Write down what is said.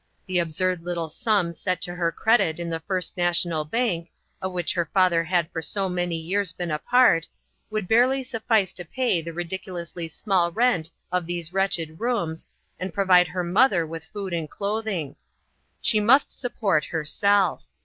The absurd little sum set to their credit in the First National Bank, of which her father had for so many years been a part, would barely suffice to pay the ridiculously small rent of these wretched rooms and provide her mother with food and clothing. She must support herself.